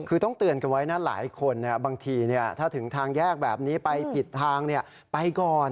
คือต้องเตือนกันไว้นะหลายคนเนี่ยบางทีเนี่ยถ้าถึงทางแยกแบบนี้ไปปิดทางเนี่ยไปก่อน